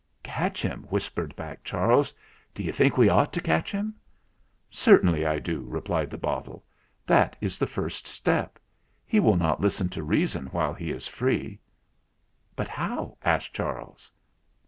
"Catch him!" whispered back Charles. "D'you think we ought to catch him?" "Certainly I do," replied the bottle. "That is the first step. He will not listen to reason while he is free." "But how?" asked Charles.